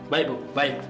baik bu baik